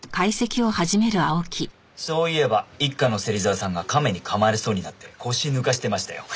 そういえば一課の芹沢さんがカメに噛まれそうになって腰抜かしてましたよ。